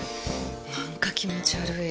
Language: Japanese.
なんか気持ち悪い。